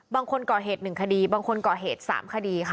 บางคนก่อเหตุ๑คดีบางคนก่อเหตุ๓คดีค่ะ